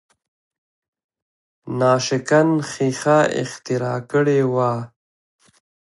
ناشکن ښیښه اختراع کړې وه.